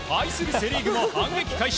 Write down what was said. セ・リーグは反撃開始。